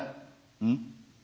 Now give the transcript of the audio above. うん？